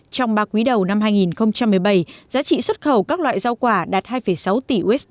trong ba quý đầu năm hai nghìn một mươi bảy giá trị xuất khẩu các loại rau quả đạt hai sáu tỷ usd